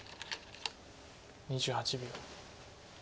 ２８秒。